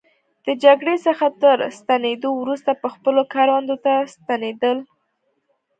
د جګړې څخه تر ستنېدو وروسته به خپلو کروندو ته ستنېدل.